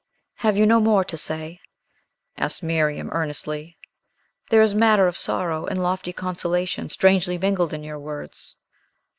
"Have you no more to say?" asked Miriam earnestly. "There is matter of sorrow and lofty consolation strangely mingled in your words."